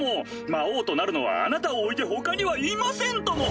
魔王となるのはあなたをおいて他にはいませんとも！